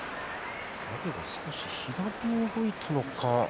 阿炎が少し左へ動いたのか。